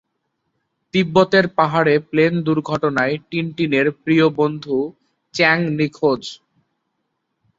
তিব্বতের পাহাড়ে প্লেন দুর্ঘটনায় টিনটিনের প্রিয় বন্ধু চ্যাং নিখোঁজ।